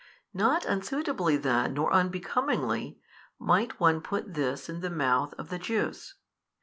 Not unsuitably then nor unbecomingly, might one put this in the mouth of the Jews.